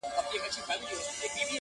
په څيرلو په وژلو كي بېباكه-